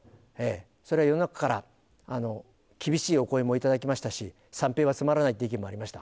それは世の中から厳しいお声も頂きましたし、三平はつまらないという意見もありました。